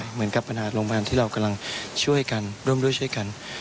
เหมือนกับปัญหาโรงพยาบาลที่เรากำลังช่วยกันร่วมด้วยช่วยกัน